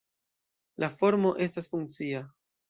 La formo estas funkcia.